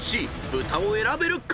豚を選べるか⁉］